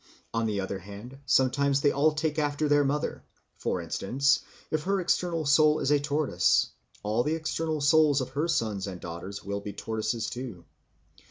And on the other hand, sometimes they all take after their mother; for instance, if her external soul is a tortoise, all the external souls of her sons and daughters will be tortoises too.